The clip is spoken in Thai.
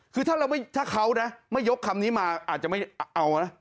คือถ้าเขานะไม่ยกคำนี้มาอาจจะไม่เอานะ